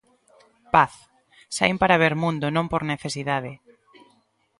Paz: Saín para ver mundo, non por necesidade.